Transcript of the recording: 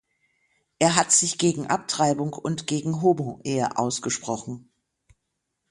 Er hat sich gegen Abtreibung und gegen Homo-Ehe ausgesprochen.